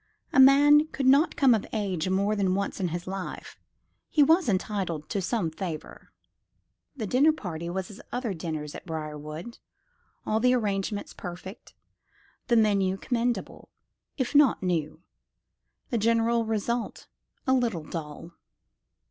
A man could not come of age more than once in his life. He was entitled to some favour. The dinner party was as other dinners at Briarwood; all the arrangements perfect; the menu commendable, if not new; the general result a little dull.